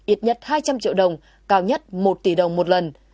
ít nhất hai trăm linh triệu đồng cao nhất một tỷ đồng một lần